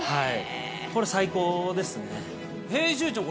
これ最高ですね。